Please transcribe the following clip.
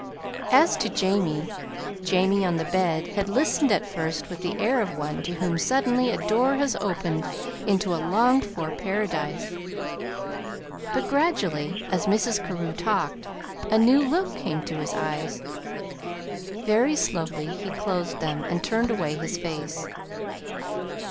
As to Jamie Jamie, on the bed, had listened at first with the air of one to whom suddenly a door has opened into a longed for paradise; but gradually, as Mrs. Carew talked, a new look came to his eyes. Very slowly he closed them, and turned away his face.